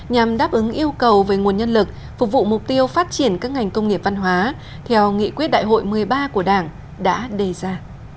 nhằm đáp ứng yêu cầu về nguồn nhân lực phục vụ mục tiêu phát triển các ngành công nghiệp văn hóa theo nghị quyết đại hội một mươi ba của đảng đã đề ra